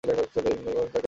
রাজা কহিলেন, তাকে ডাকো বৎস।